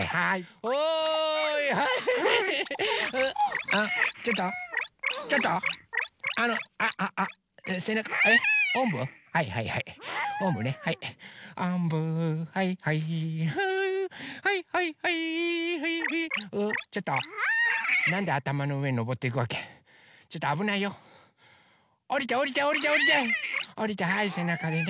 おりてはいせなかでね。